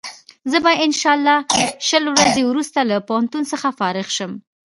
زه به انشا الله شل ورځې وروسته له پوهنتون څخه فارغ شم.